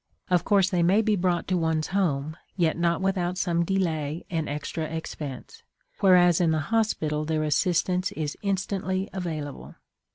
Of course they may be brought to one's home, yet not without some delay and extra expense; whereas in the hospital their assistance is instantly available.